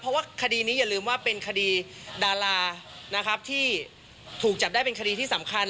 เพราะว่าคดีนี้อย่าลืมว่าเป็นคดีดารานะครับที่ถูกจับได้เป็นคดีที่สำคัญ